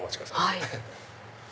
はい。